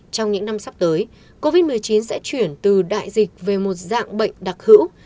trong những năm sắp tới covid một mươi chín sẽ chuyển từ đại dịch về một dạng bệnh đặc hữu